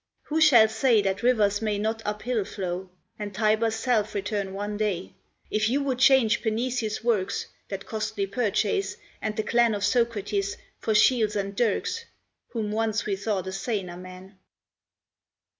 Who shall say That rivers may not uphill flow, And Tiber's self return one day, If you would change Panaetius' works, That costly purchase, and the clan Of Socrates, for shields and dirks, Whom once we thought a saner man?